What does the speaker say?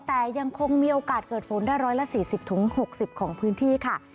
แต่ยังคงมีโอกาสเกิดฝนได้๑๔๐๖๐ของพื้นที่ค่ะ